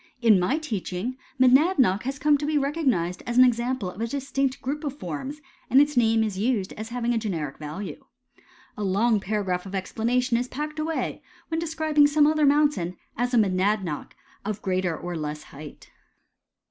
In my teaching, Monadnock has come to be recognized as an example of a distinct group of forms, and its name is used as having a generic value. A long para graph of explanation is packed away when describing some other mountain as a " monadnock " of greater or less height.